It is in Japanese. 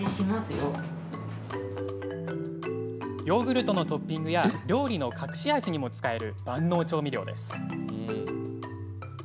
ヨーグルトのトッピングや料理の隠し味にも使える万能調味料です。